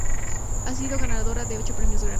Ha sido ganadora de ocho premios Grammy.